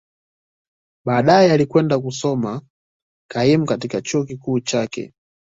Baadaye, alikwenda kusoma kaimu katika Chuo Kikuu cha Yale.